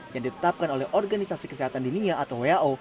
yang ditetapkan oleh organisasi kesehatan dunia atau who